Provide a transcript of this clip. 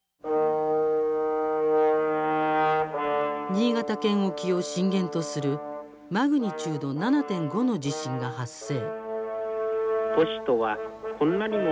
新潟県沖を震源とするマグニチュード７．５の地震が発生。